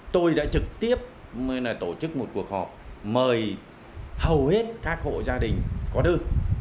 tôi đã trực tiếp tổ chức một cuộc họp mời hầu hết các hộ gia đình có đất